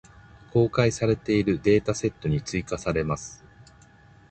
公開されているデータセットに追加せれます。